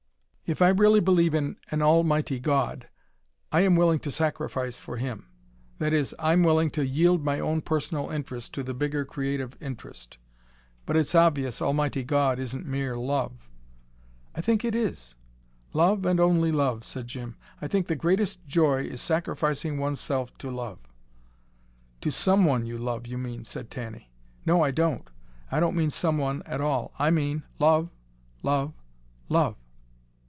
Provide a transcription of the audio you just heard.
"If I really believe in an Almighty God, I am willing to sacrifice for Him. That is, I'm willing to yield my own personal interest to the bigger creative interest. But it's obvious Almighty God isn't mere Love." "I think it is. Love and only love," said Jim. "I think the greatest joy is sacrificing oneself to love." "To SOMEONE you love, you mean," said Tanny. "No I don't. I don't mean someone at all. I mean love love love.